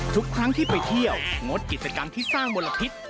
ทุกครั้งที่ไปเที่ยวงดกิจกรรมที่สร้างมลพิษ